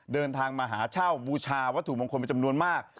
เดินทางมาหาเจ้าบูชาวทุมงคลมาจำนวนมาก